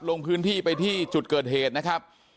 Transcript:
ลงพื้นที่ไปที่จุดเกิดเหตุนะครับ